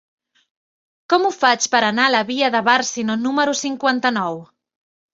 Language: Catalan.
Com ho faig per anar a la via de Bàrcino número cinquanta-nou?